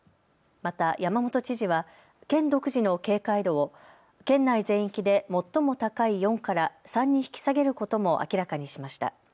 また山本知事は県独自の警戒度を県内全域で最も高い４から３に引き下げることも明らかにしました。